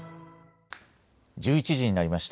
１１時になりました。